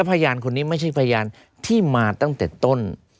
พยานคนนี้ไม่ใช่พยานที่มาตั้งแต่ต้น